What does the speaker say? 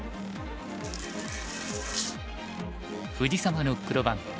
藤沢の黒番。